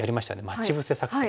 待ち伏せ作戦。